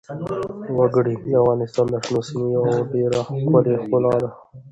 وګړي د افغانستان د شنو سیمو یوه ډېره ښکلې ښکلا ده.